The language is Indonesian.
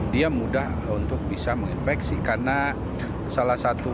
dia mudah untuk bisa menginfeksi karena salah satu